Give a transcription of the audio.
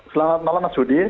selamat malam mas udi